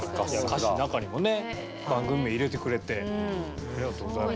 歌詞の中にもね番組名入れてくれてありがとうございます。